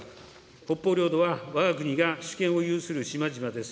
北方領土はわが国が主権を有する島々です。